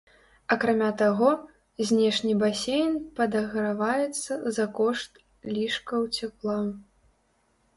Акрамя таго, знешні басейн падаграваецца за кошт лішкаў цяпла.